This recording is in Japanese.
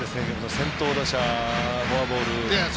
先頭打者フォアボール。